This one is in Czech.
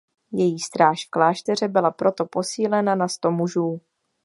Její stráž v klášteře byla proto posílena na sto mužů.